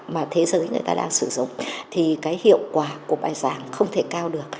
mà thế giới người ta đang sử dụng thì cái hiệu quả của bài giảng không thể cao được